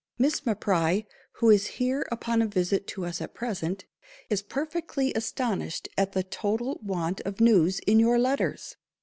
Miss M'Pry, who is here upon a visit to us at present, is perfectly astonished at the total want of news in your _letters.